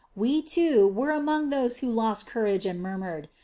We, too, were among those who lost courage and murmured.